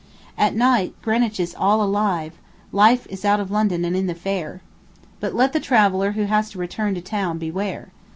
At night, Greenwich is all alive life is out of London and in the fair. But let the traveller who has to return to town beware.